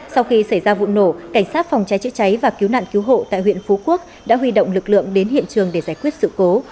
sau khi xảy ra vụ nổ cảnh sát phòng cháy chữa cháy và cứu nạn cứu hộ tại huyện phú quốc đã huy động lực lượng đến hiện trường để giải quyết sự cố